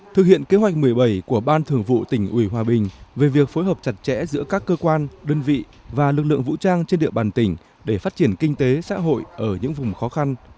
thực hiện kế hoạch một mươi bảy của ban thường vụ tỉnh ủy hòa bình về việc phối hợp chặt chẽ giữa các cơ quan đơn vị và lực lượng vũ trang trên địa bàn tỉnh để phát triển kinh tế xã hội ở những vùng khó khăn